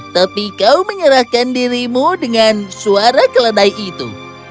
tapi kau menyerahkan dirimu dengan suara keledai itu